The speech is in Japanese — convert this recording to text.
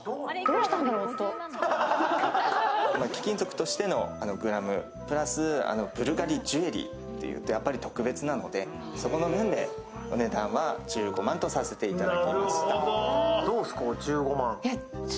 貴金属としてのグラム、プラス、ブルガリジュエリーというとやはり特別なので、そこの面でお値段は１５万とさせていただきました。